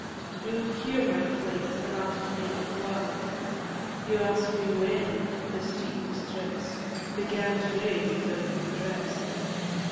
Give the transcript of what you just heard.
You hear my plaint, and ask me, why? You ask me when this deep distress Began to rage without redress?